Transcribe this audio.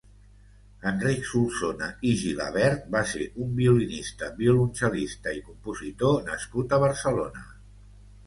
Enric Solsona i Gilabert va ser un violinista, violoncel·lista i compositor nascut a Barcelona.